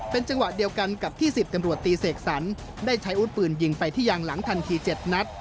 เป็นจังหวะเดียวกันกับที่๑๐ตำรวจตีเสกสรรได้ใช้อาวุธปืนยิงไปที่ยางหลังทันที๗นัด